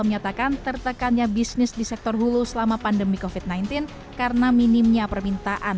menyatakan tertekannya bisnis di sektor hulu selama pandemi kofit sembilan belas karena minimnya permintaan